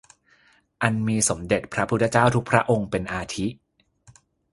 อันมีสมเด็จพระพุทธเจ้าทุกพระองค์เป็นอาทิ